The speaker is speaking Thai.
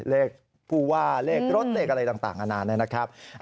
เลขผู้ว่าเลขรถเลขอะไรต่างอาณานะครับ